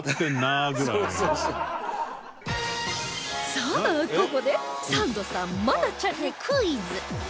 さあここでサンドさん愛菜ちゃんにクイズ